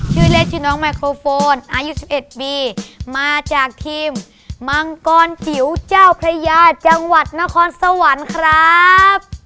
ชื่อเล่นชื่อน้องไมโครโฟนอายุ๑๑ปีมาจากทีมมังกรจิ๋วเจ้าพระยาจังหวัดนครสวรรค์ครับ